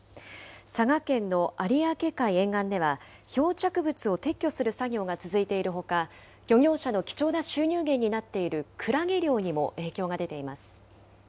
佐賀県の有明海沿岸では、漂着物を撤去する作業が続いているほか、漁業者の貴重な収入源になっているクラゲ漁にも影響が出ています。